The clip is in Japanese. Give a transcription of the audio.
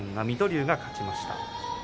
水戸龍が勝ちました。